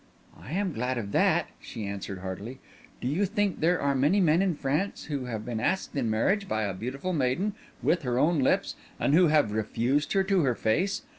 "I am glad of that," she answered heartily. "Do you think there are many men in France who have been asked in marriage by a beautiful maiden—with her own lips—and who have refused her to her face?